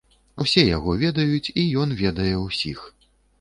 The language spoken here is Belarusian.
Усе яго ведаюць, і ён ведае ўсіх.